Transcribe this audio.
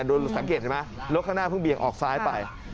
โดยสังเกตใช่ไหมรถข้างหน้าเพิ่งเบียกออกซ้ายไป